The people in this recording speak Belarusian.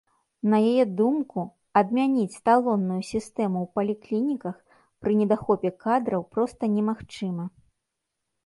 На яе думку, адмяніць талонную сістэму ў паліклініках пры недахопе кадраў проста немагчыма.